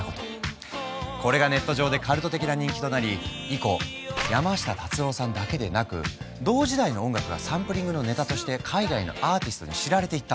これがネット上でカルト的な人気となり以降山下達郎さんだけでなく同時代の音楽がサンプリングのネタとして海外のアーティストに知られていったんだ。